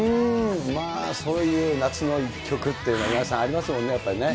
そういう夏の一曲っていうのは、皆さんありますもんね、やっぱりね。